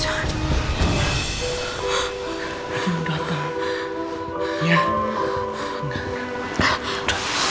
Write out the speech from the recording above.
seneng banget beritanya